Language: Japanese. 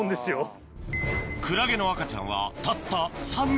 クラゲの赤ちゃんはたった３ｍｍ